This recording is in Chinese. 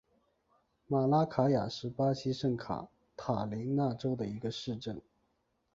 马拉卡雅是巴西圣卡塔琳娜州的一个市镇。